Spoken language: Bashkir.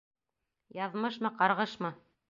Яҙмышмы, ҡарғышмы?